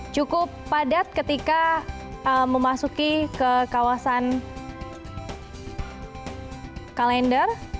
cukup padat ketika memasuki ke kawasan kalender